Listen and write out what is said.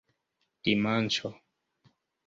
dimanĉo